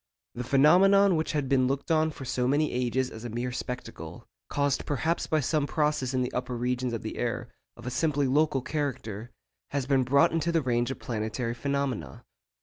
The phenomenon which had been looked on for so many ages as a mere spectacle, caused perhaps by some process in the upper regions of the air, of a simply local character, has been brought into the range of planetary phenomena.